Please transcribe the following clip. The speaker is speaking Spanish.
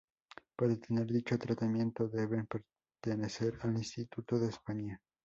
Para tener dicho tratamiento deben pertenecer al Instituto de España.